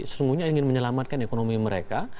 sesungguhnya ingin menyelamatkan ekonomi mereka